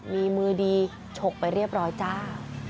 มีมือดีฉกไปเรียบร้อยจ้า